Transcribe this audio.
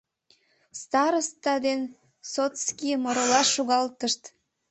Староста ден сотскийым оролаш шогалтышт.